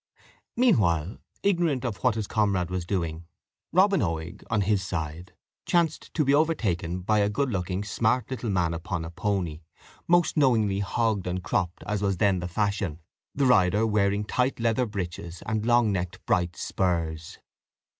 Meanwhile, ignorant of what his comrade was doing, Robin Oig, on his side, chanced to be overtaken by a good looking, smart little man upon a pony, most knowingly hogged and cropped, as was then the fashion, the rider wearing tight leather breeches and long necked bright spurs.